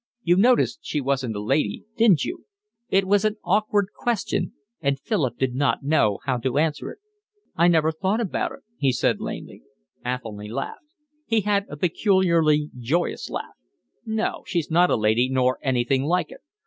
You noticed she wasn't a lady, didn't you?" It was an awkward question, and Philip did not know how to answer it. "I never thought about it," he said lamely. Athelny laughed. He had a peculiarly joyous laugh. "No, she's not a lady, nor anything like it.